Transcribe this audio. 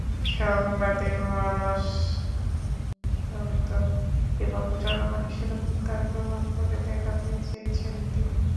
সংবাদের মনস্তত্ত্ব এবং জনমানুষের ওপর তার প্রভাব খুলে দেখাতে চেয়েছেন তিনি।